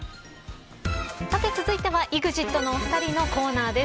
続いてはＥＸＩＴのお二人のコーナーです。